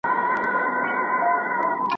کليوالو وویل چي د شپې باران سوی و.